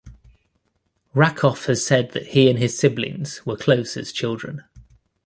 Rakoff has said that he and his siblings were close as children.